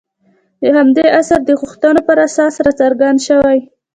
د همدې عصر د غوښتنو پر اساس راڅرګند شوي.